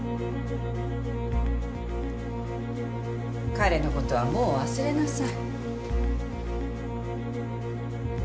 彼のことはもう忘れなさい。